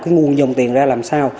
cái nguồn dòng tiền ra làm sao